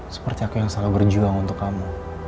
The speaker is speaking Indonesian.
seperti aku yang selalu berjuang untuk kamu